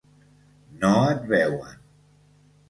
No et veuen.